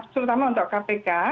terutama untuk kpk